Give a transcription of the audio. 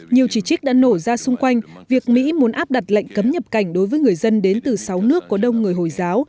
nhiều chỉ trích đã nổ ra xung quanh việc mỹ muốn áp đặt lệnh cấm nhập cảnh đối với người dân đến từ sáu nước có đông người hồi giáo